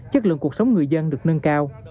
chất lượng cuộc sống người dân được nâng cao